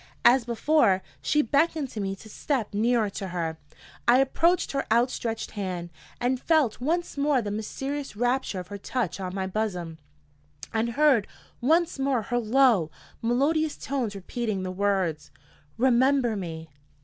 As before, she beckoned to me to step nearer to her. I approached her outstretched hand, and felt once more the mysterious rapture of her touch on my bosom, and heard once more her low, melodious tones repeating the words: "Remember me.